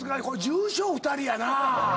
重症２人やなぁ！